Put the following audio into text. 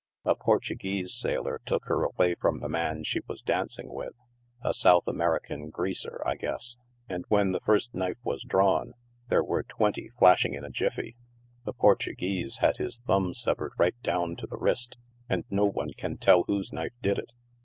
A Portuguese sailor took her away from the man she was dancing with — a South American greaser, I guess — and when the first knife was drawn, there were twenty flashing in a jiffy. The Portuguese had his thumb severed right down to the wrist, and no one can tell whose knife did it.